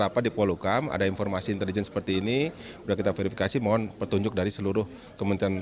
bapak komjen paul soehardi alius